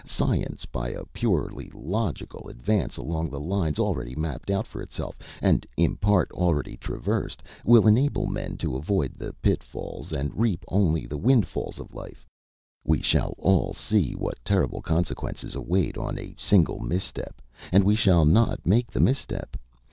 Science, by a purely logical advance along the lines already mapped out for itself, and in part already traversed, will enable men to avoid the pitfalls and reap only the windfalls of life; we shall all see what terrible consequences await on a single misstep, and we shall not make the misstep.